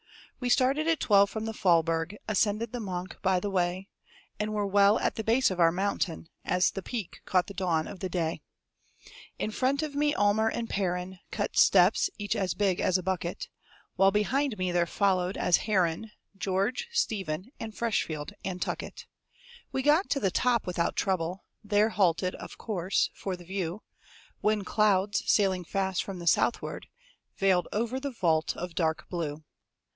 We started at twelve from the Faulberg; Ascended the Monch by the way; And were well at the base of our mountain, As the peak caught the dawn of the day. In front of me Almer and Perren Cut steps, each as big as a bucket; While behind me there followed, as Herren, George, Stephen, and Freshfield, and Tuckett. We got to the top without trouble; There halted, of course, for the view; When clouds, sailing fast from the southward, Veiled over the vault of dark blue.